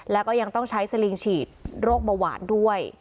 แล้วก็ยังต้องใช้สลิงฉีดโรคเบาหวานด้วย